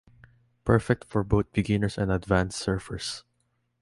Perfect for both beginners and advance surfers.